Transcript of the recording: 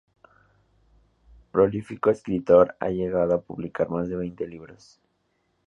Prolífico escritor, ha llegado a publicar más de veinte libros.